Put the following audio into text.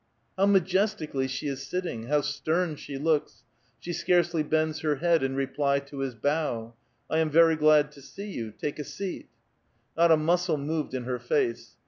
How majestically she is sitting ! how stern she looks ! She scarcely bends her head in reply to his bow : "I am ver}* glad to see you ; take a seat.*' Not a muscle moved in her face.